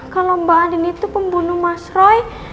kalau mbak andin itu pembunuh mas roy